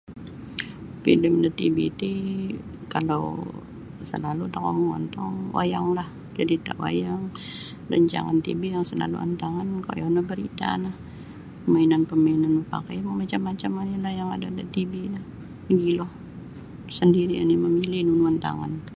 Filem da tv ti kalau salalu tokou mongontong wayanglah carita wayang rancangan tv yang salalu antangan koyo nio barita no pemainan-pemainan mapakaimu macam-macam onilah yang ada da tv no mogilo sendiri oni mamilih nunu antangan.